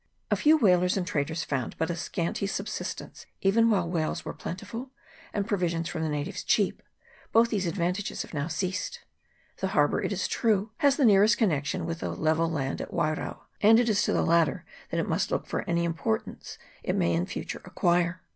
A few whalers and traders found but a scanty subsistence even while whales were plentiful and provisions from the natives cheap ; both these advantages have now ceased. The har bour, it is true, has the nearest connection with the level land at Wairao, and it is to the latter that it must look for any importance it may in future acquire.